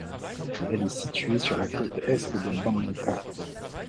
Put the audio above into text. Elle est située sur la côte est de Bangka.